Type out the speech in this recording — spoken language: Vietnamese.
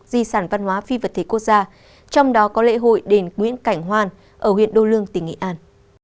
di sản văn hóa phi vật thể quốc gia trong đó có lễ hội đền nguyễn cảnh hoan ở huyện đô lương tỉnh nghệ an